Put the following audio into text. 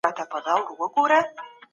ټولنيزه بياکتنه يو بل عامل دی.